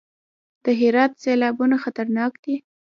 د هرات سیلابونه خطرناک دي